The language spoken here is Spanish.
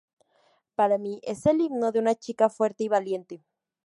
Para mí es el himno de una chica fuerte y valiente.